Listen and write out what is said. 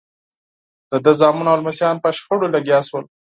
د ده زامن او لمسیان په شخړو لګیا شول.